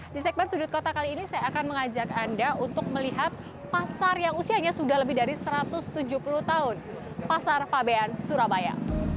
di segmen sudut kota kali ini saya akan mengajak anda untuk melihat pasar yang usianya sudah lebih dari satu ratus tujuh puluh tahun pasar fabian surabaya